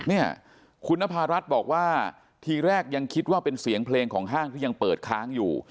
เนี่ยคุณนภารัฐบอกว่าทีแรกยังคิดว่าเป็นเสียงเพลงของห้างที่ยังเปิดค้างอยู่